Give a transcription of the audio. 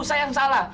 saya yang salah